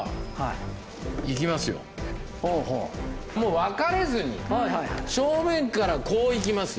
もう分かれずに正面からこう行きますよ。